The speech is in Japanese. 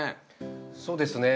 そうですね。